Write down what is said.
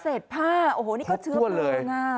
เศษผ้าโอ้โหนี่ก็เชื้อเพลิง